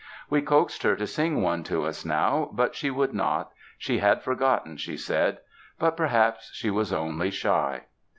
We coaxed her to sing one to us now, but she would not — she had forgotten, she said; but perhaps she was only shy.